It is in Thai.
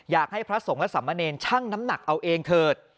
อยากให้พระสงฆ์และสัมมาเนญช่างน้ำหนักเอาเองเถิด